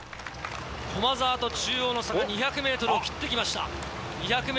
駒澤と中央の差が２００ｍを切ってきました。